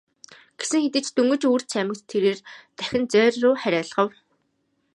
Гэсэн хэдий ч дөнгөж үүр цаймагц тэрээр дахин зоорьруу харайлгав.